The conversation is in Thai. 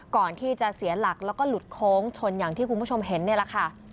ก่อนที่จะเสียหลักแล้วก็หลุดโค้งชนอย่างที่คุณผู้ชมเห็นนี่แหละค่ะ